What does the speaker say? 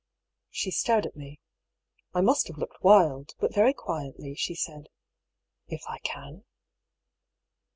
She stared at me. I must have looked wild, but very quietly she said :" If I can."